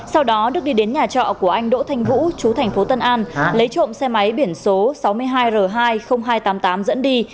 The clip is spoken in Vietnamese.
sau đó đức đi đến nhà trọ của anh đỗ thanh vũ chú tp tân an lấy trộm xe máy biển số sáu mươi hai r hai hai trăm tám mươi tám dẫn đi